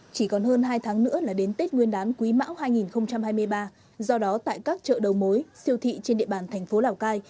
chỉ còn hơn hai tháng nữa là đến tết nguyên đán quý mão hai nghìn hai mươi ba do đó tại các chợ đầu mối siêu thị trên địa bàn thành phố lào cai